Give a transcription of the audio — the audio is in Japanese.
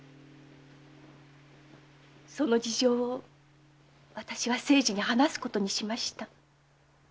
その事情を私は清次に話すことにしました。